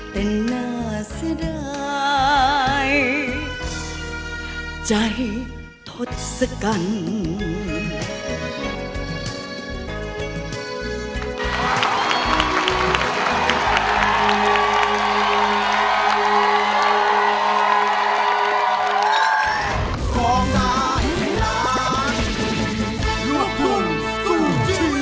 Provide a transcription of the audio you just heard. ก็จะได้ใจทดสกัน